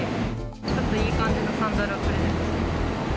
ちょっといい感じのサンダルをプレゼントします。